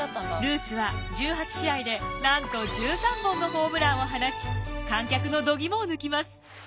ルースは１８試合でなんと１３本のホームランを放ち観客の度肝を抜きます。